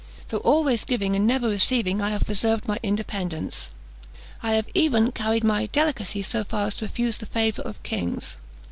Though always giving, and never receiving, I have preserved my independence. I have even carried my delicacy so far as to refuse the favours of kings.